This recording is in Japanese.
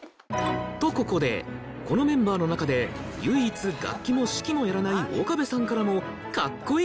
とここでこのメンバーの中で唯一楽器も指揮もやらない岡部さんからも・カッコいい！